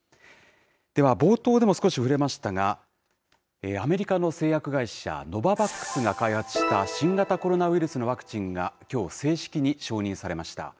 では冒頭でも少し触れましたが、アメリカの製薬会社、ノババックスが開発した新型コロナウイルスのワクチンが、きょう正式に承認されました。